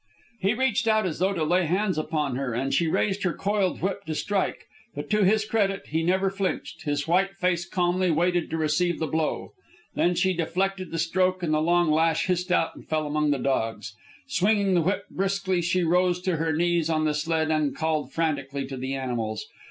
He reached out as though to lay hands upon her, and she raised her coiled whip to strike. But to his credit he never flinched; his white face calmly waited to receive the blow. Then she deflected the stroke, and the long lash hissed out and fell among the dogs. Swinging the whip briskly, she rose to her knees on the sled and called frantically to the animals.